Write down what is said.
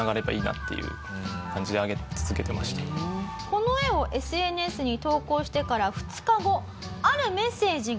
この絵をＳＮＳに投稿してから２日後。